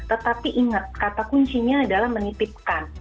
tetapi ingat kata kuncinya adalah menitipkan